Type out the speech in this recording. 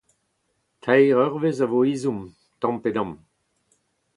Teir eurvezh a vo ezhomm tamm-pe-damm.